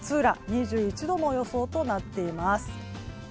２１度の予想となっています。